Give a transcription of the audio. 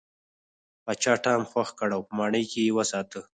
پاچا ټام خوښ کړ او په ماڼۍ کې یې وساته.